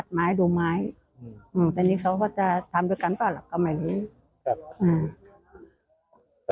จะฝากช่วงคัมพินทร์อะไรกับคนที่บอก